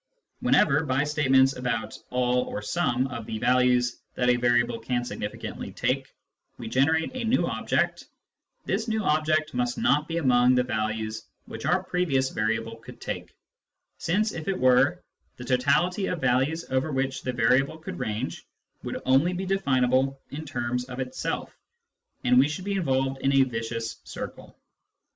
Whenever, by statements about " all " or " some " of the values that a variable can significantly take, we generate a new object, this new object must not be among the values which our previous variable could take, since, if it were, the totality of values over which the variable could range would only be definable in terms of itself, and we should be involved in a vicious circle.